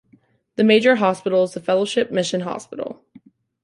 The major hospital is the Fellowship Mission Hospital.